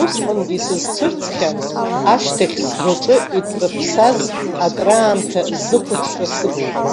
Усҟангьы исызцәырҵхьан, ашьҭахь сгәаҵаҿы итәырԥсаз, акраамҭа зыхәаҽра сықәшәаз.